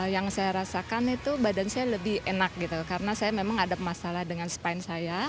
yang saya rasakan itu badan saya lebih enak gitu karena saya memang ada masalah dengan spine saya